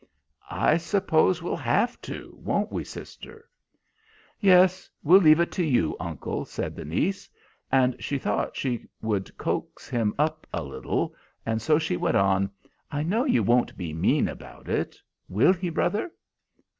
"I suppose we'll have to; won't we, sister?" "Yes, we'll leave it all to you, uncle," said the niece; and she thought she would coax him up a little, and so she went on: "I know you won't be mean about it. Will he, brother?"